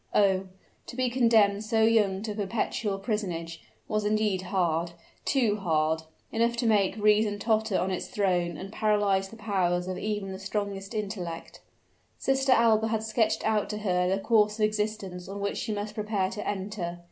Oh! to be condemned so young to perpetual prisonage, was indeed hard, too hard enough to make reason totter on its throne and paralyze the powers of even the strongest intellect. Sister Alba had sketched out to her the course of existence on which she must prepare to enter.